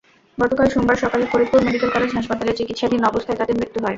গতকাল সোমবার সকালে ফরিদপুর মেডিকেল কলেজ হাসপাতালে চিকিৎসাধীন অবস্থায় তাদের মৃত্যু হয়।